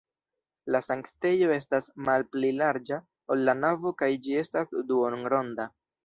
La sanktejo estas malpli larĝa, ol la navo kaj ĝi estas duonronda.